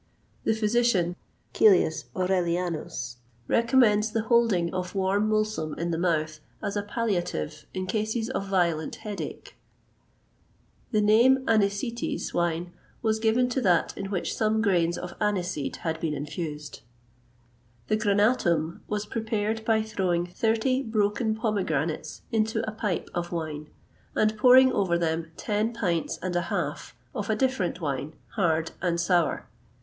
[XXVIII 124] The physician, Cœlius Aurelianus, recommends the holding of warm mulsum in the mouth as a palliative in cases of violent head ache.[XXVIII 125] The name of Anisites wine was given to that in which some grains of aniseed had been infused.[XXVIII 126] The Granatum was prepared by throwing thirty broken pomegranates into a pipe of wine, and pouring over them ten pints and a half of a different wine, hard and sour.